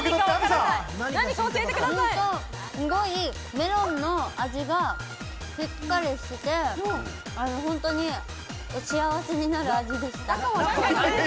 メロンの味がしっかりしていて、本当に幸せになる味です。